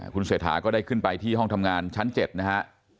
คุณเศรษฐาก็ได้ขึ้นไปที่ห้องทำงานชั้น๗นะฮะ